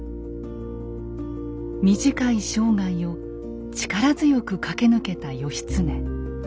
短い生涯を力強く駆け抜けた義経。